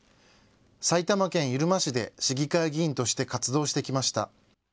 埼玉県入間市で市議会議員として活動してきました。